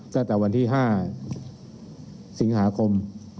ก็จะวันที่๕สิงหาคม